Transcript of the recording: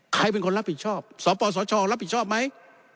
ใครเป็นคนรับผิดชอบสปสชรับผิดชอบไหม